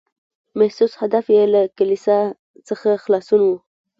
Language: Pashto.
محسوس هدف یې له کلیسا څخه خلاصون و.